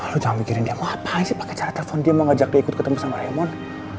lo jangan mikirin dia ngapain sih pakai cara telepon dia mau ngajak dia ikut ketemu sama ramon